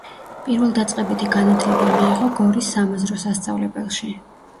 პირველდაწყებითი განათლება მიიღო გორის სამაზრო სასწავლებელში.